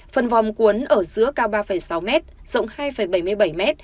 phần vòng cuốn ở giữa cao ba sáu m rộng hai bảy mươi bảy m